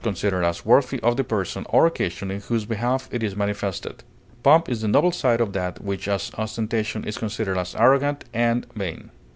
considered as worthy of the person or occasion in whose behalf it is manifested; pomp is the noble side of that which as ostentation is considered as arrogant and vain.